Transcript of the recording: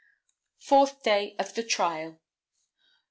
Fourth Day of the Trial. Dr.